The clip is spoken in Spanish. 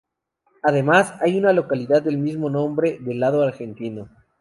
Además, hay una localidad del mismo nombre del lado argentino.